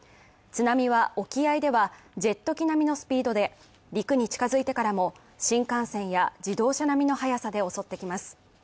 津波は沖合ではジェット機並みのスピードで陸に近づいてからも、新幹線や自動車並みの速さで襲ってきます。